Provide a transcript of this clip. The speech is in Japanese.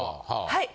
はい。